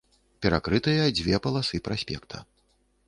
Перакрытыя дзве паласы праспекта.